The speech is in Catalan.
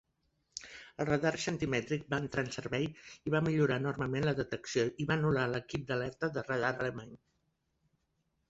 El radar centimètric va entrar en servei i va millorar enormement la detecció i va anul·lar l'equip d'aletra de radar alemany.